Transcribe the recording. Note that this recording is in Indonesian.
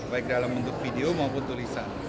baik dalam bentuk video maupun tulisan